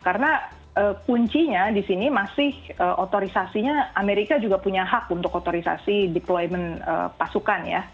karena kuncinya di sini masih otorisasinya amerika juga punya hak untuk otorisasi deployment pasukan ya